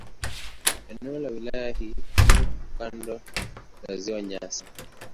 Eneo la wilaya hii liko kando la Ziwa Nyasa.